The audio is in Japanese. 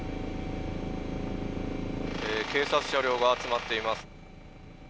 警察車両が集まっています。